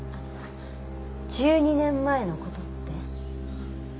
１２年前の事って？